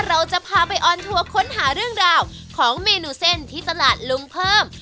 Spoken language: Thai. เราจะพาไปออนทัวร์ค้นหาเรื่องราวของเมนูเส้นที่ตลาดลุงเพิ่ม